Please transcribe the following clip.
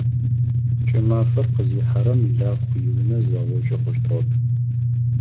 КӀымафэр къызихьэрэм Лахъу иунэ зэгъокӀы хъущтыгъэп.